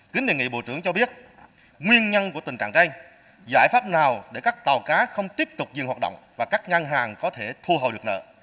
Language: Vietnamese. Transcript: kính đề nghị bộ trưởng cho biết nguyên nhân của tình trạng đây giải pháp nào để các tàu cá không tiếp tục diện hoạt động và các ngân hàng có thể thu hồi được nợ